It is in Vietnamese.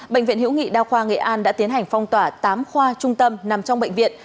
bệnh viện hữu nghị đa khoa nghệ an đã tiến hành phong tỏa tám khoa trung tâm nằm trong bệnh viện